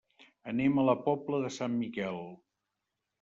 Anem a la Pobla de Sant Miquel.